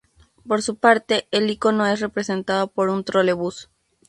Por su parte, el ícono es representado por un trolebús.